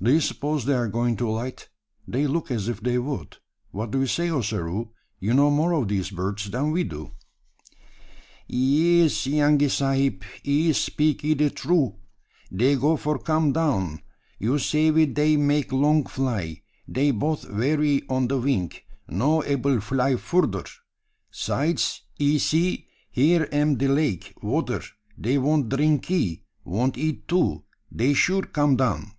Do you suppose they are going to alight? They look as if they would. What do you say, Ossaroo? You know more of these birds than we do." "Yees, youngee Sahib; ee speakee de true. Dey go for come down. You savey dey make long fly. Dey both weary on de wing no able fly furder. 'Sides, ee see, here am de lake water dey want drinkee want eat too. Dey sure come down."